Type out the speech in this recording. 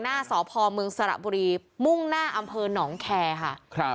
หน้าสพเมืองสระบุรีมุ่งหน้าอำเภอหนองแคร์ค่ะครับ